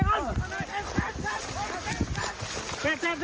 มันทำลาย